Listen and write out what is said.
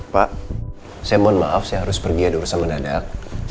pak saya mohon maaf saya harus pergi adu urusan sama dadak